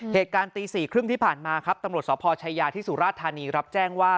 เหตุการณ์ตี๔๓๐ที่ผ่านมาครับตำรวจสพชายาที่สุราธานีรับแจ้งว่า